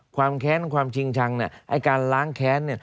แค้นความจริงชังไอ้การล้างแค้น